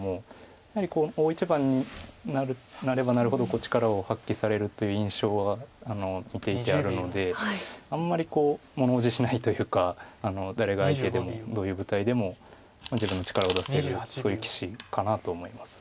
やはり大一番になればなるほど力を発揮されるという印象は見ていてあるのであんまり物おじしないというか誰が相手でもどういう舞台でも自分の力を出せるそういう棋士かなと思います。